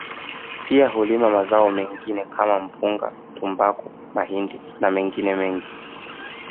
Pia hulima mazao mengine kama mpunga tumbaku mahindi na mengine mengi